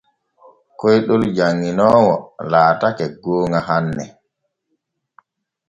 Koyɗol janŋoowo laatake gooŋa hanne.